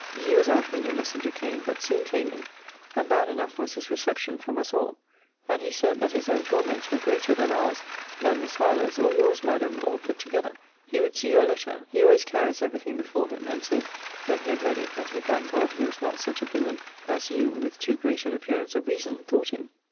He was out when your messenger came: but soon came in; and bad enough was his reception from us all. And he said, that his own torments were greater than ours, than Miss Harlowe's, or your's, Madam, all put together. He would see your letter. He always carries every thing before him: and said, when he had read it, that he thanked God, he was not such a villain, as you, with too great an appearance of reason, thought him.